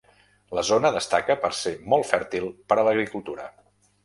La zona destaca per ser molt fèrtil per a l'agricultura.